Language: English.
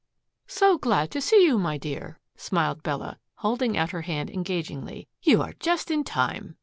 "So glad to see you, my dear," smiled Bella, holding out her hand engagingly. "You are just in time."